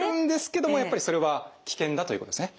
やっぱりそれは危険だということですね。